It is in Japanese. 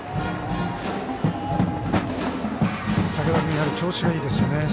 武田君、調子がいいですね。